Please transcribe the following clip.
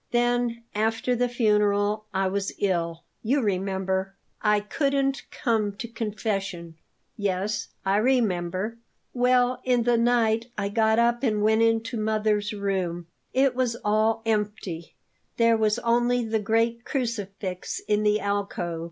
Then, after the funeral, I was ill; you remember, I couldn't come to confession." "Yes; I remember." "Well, in the night I got up and went into mother's room. It was all empty; there was only the great crucifix in the alcove.